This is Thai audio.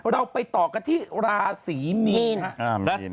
เราไปต่อกันที่ราศิมีน